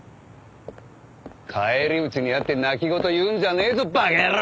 返り討ちに遭って泣き言言うんじゃねえぞ馬鹿野郎！